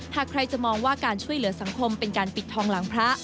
หากใครจะมองว่าการช่วยเหลือสังคมเป็นการปิดทองหลังพระ